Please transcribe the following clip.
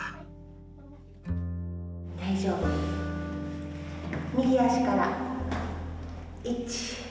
大丈夫右足から１。